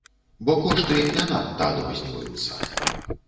Бо кошты не надта адрозніваюцца.